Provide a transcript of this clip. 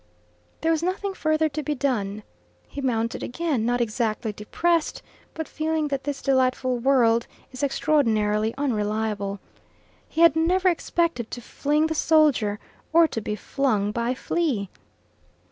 There was nothing further to be done. He mounted again, not exactly depressed, but feeling that this delightful world is extraordinarily unreliable. He had never expected to fling the soldier, or to be flung by Flea.